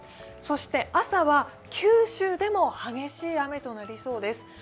そして朝は九州でも激しい雨となりそうです。